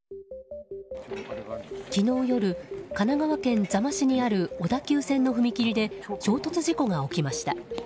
昨日夜、神奈川県座間市にある小田急線の踏切で衝突事故が起きました。